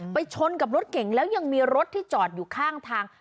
ชนกับรถเก่งแล้วยังมีรถที่จอดอยู่ข้างทาง